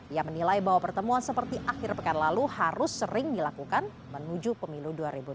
ia menilai bahwa pertemuan seperti akhir pekan lalu harus sering dilakukan menuju pemilu dua ribu dua puluh